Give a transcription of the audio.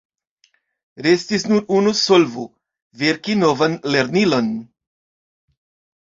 Restis nur unu solvo: verki novan lernilon.